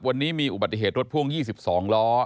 วันนี้มีอุบัติเหตุรถพ่วง๒๒ล้อ